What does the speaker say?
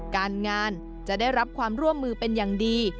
การงานจะได้รับความร่วมมือเป็นอย่างดี